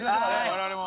我々も。